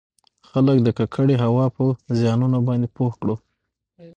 خلــک د ککـړې هـوا پـه زيـانونو بانـدې پـوه کـړو٫